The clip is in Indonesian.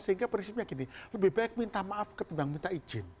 sehingga prinsipnya gini lebih baik minta maaf ketimbang minta izin